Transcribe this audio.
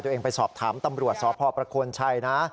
ตัวเองไปสอบถามตำรวจสพชนะ